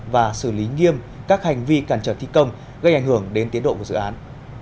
và xử lý nghiêm các hành vi cản trở thi công gây ảnh hưởng đến tiến độ của dự án